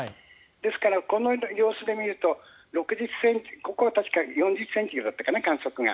ですから、この様子で見るとここは確か４０ｃｍだったかな観測が。